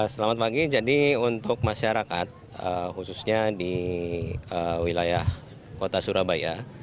selamat pagi jadi untuk masyarakat khususnya di wilayah kota surabaya